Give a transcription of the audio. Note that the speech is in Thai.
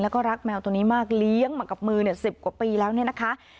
แล้วก็รักแมวตัวนี้มากเลี้ยงมากับมือ๑๐กว่าปีแล้วเนี่ยนะคะ